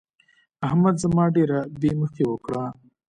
احمد زما ډېره بې مخي وکړه.